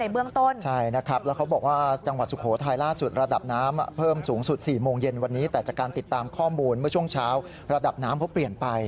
แต่จากการติดตามข้อมูลเมื่อช่วงเช้าระดับน้ำเพราะเปลี่ยนไป